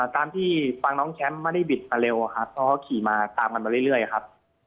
ตามที่ฟังน้องแชมป์ไม่ได้บิดมาเร็วอะครับเพราะเขาขี่มาตามกันมาเรื่อยครับ